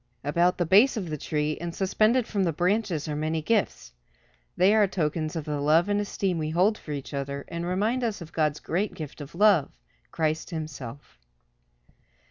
About the base of the tree, and suspended from the branches are many gifts. They are tokens of the love and esteem we hold for each other, and remind us of God's great gift of love, Christ himself.